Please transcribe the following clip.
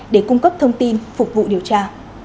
để cung cấp thông tin phục vụ điều tra